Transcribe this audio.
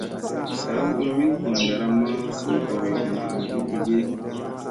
Saa hurum min goŋ ɗaramma su gooryomma ni gige ?